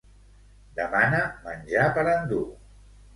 Demana menjar per endur.